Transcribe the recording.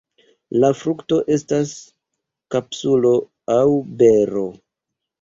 La frukto estas kapsulo aŭ bero.